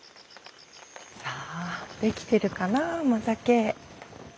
さあできてるかな甘酒。